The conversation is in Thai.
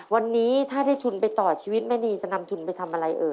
วันนี้ถ้าได้ทุนไปต่อชีวิตแม่นีจะนำทุนไปทำอะไรเอ่ย